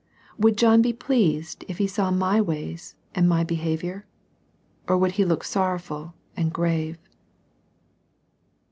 Would John be pleased if he saw my ways and my behaviour, or would he look sorrowful and grave